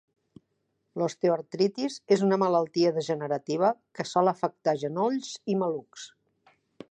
L'osteoartritis és una malaltia degenerativa que sol afectar genolls i malucs.